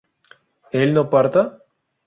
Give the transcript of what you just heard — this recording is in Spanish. ¿él no parta?